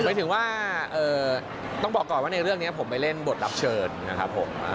หมายถึงว่าต้องบอกก่อนว่าในเรื่องนี้ผมไปเล่นบทรับเชิญนะครับผม